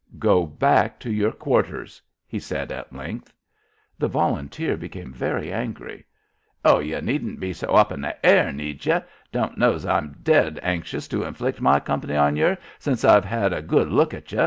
"Go back to your quarters," he said at length. The volunteer became very angry. "Oh, ye needn't be so up in th' air, need ye? Don't know's I'm dead anxious to inflict my company on yer since I've had a good look at ye.